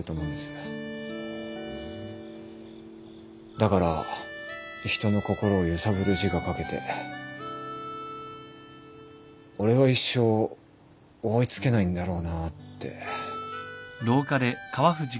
だから人の心を揺さぶる字が書けて俺は一生追い付けないんだろうなって。